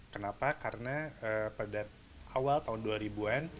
kenapa karena pada awal tahun dua ribu an